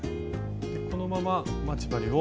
このまま待ち針を。